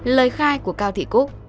năm lời khai của cao thị cúc